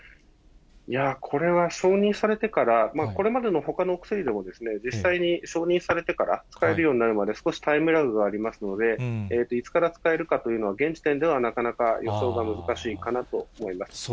これは承認されてから、これまでのほかのお薬でも、実際に承認されてから使えるようになるまで少しタイムラグがありますので、いつから使えるかというのは現時点ではなかなか予想が難しいかなそうですか。